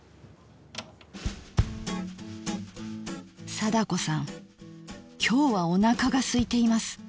貞子さん今日はおなかがすいています。